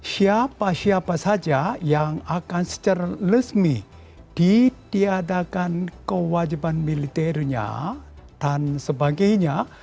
siapa siapa saja yang akan secara resmi ditiadakan kewajiban militernya dan sebagainya